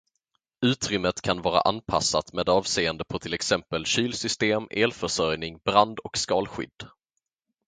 Utrymmet kan vara anpassat med avseende på till exempel kylsystem, elförsörjning, brand- och skalskydd.